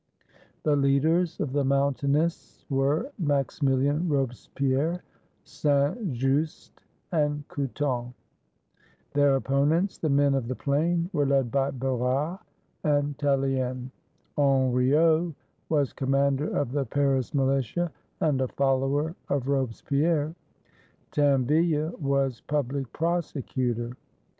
The leaders of the Mountainists were Maximilien Robes pierre, Saint Just, and Couthon. Their opponents, the Men of the Plain, were led by Barras and Tallien. Henriot was commander of the Paris militia and a follower of Robes pierre. Tinville was public prosecutor.